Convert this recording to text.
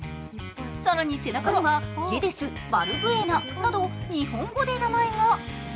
更に背中には「ゲデス」「バルブエナ」など日本語で名前が。